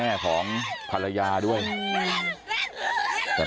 แม็กกี้อยากบอกอะไรกับครอบครัวภรรยาไหมเป็นครั้งสุดท้าย